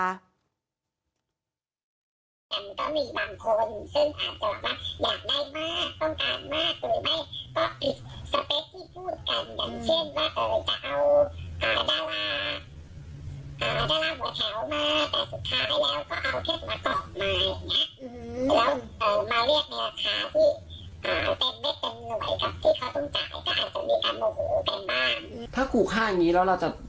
ที่เขาต้องจ่ายอาจจะมีการมาหูแบบบ้าน